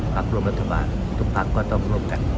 ภักดิ์ร่วมรัฐบาลทุกภักดิ์ก็ต้องร่วมกัน